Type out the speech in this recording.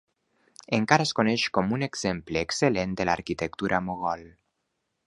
Encara es coneix com un exemple excel·lent de l'arquitectura mogol.